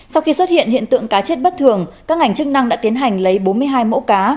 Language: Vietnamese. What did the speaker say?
sau khi xuất hiện hiện tượng cá chết bất thường các ngành chức năng đã tiến hành lấy bốn mươi hai mẫu cá